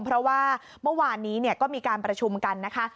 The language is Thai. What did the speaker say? เพราะว่าเมื่อวานนี้ก็มีการประชุมกันนะคะ